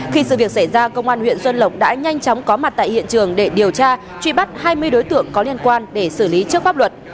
khi sự việc xảy ra công an huyện xuân lộc đã nhanh chóng có mặt tại hiện trường để điều tra truy bắt hai mươi đối tượng có liên quan để xử lý trước pháp luật